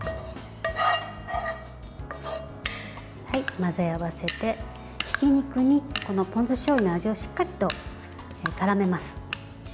混ぜ合わせてひき肉にポン酢しょうゆの味をしっかりと、からめます。